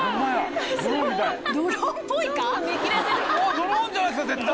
ドローンじゃないすか絶対。